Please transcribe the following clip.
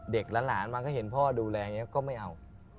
เด็กล้านมันก็เห็นพ่อดูแลก็ไม่เอา